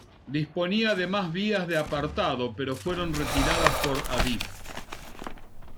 Disponía de más vías de apartado pero fueron retiradas por Adif.